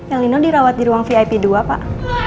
elinow dirawat di ruang vip dua pak